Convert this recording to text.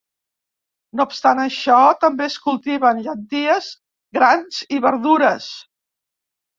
No obstant això, també es cultiven llenties, grans i verdures.